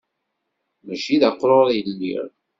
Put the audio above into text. Mačči d aqrur i lliɣ.